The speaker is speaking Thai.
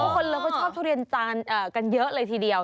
คนชอบทุเรียนจันทร์กันเยอะเลยทีเดียว